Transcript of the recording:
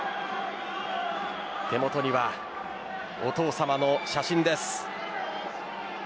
手元にはお父様の写真です。